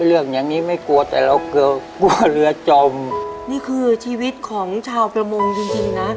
อย่างงี้ไม่กลัวแต่เรากลัวเรือจมนี่คือชีวิตของชาวประมงจริงจริงนะ